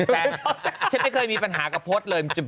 แต่ฉันไม่เคยมีปัญหากับพจน์เลย